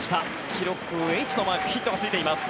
記録、Ｈのマークヒットがついています。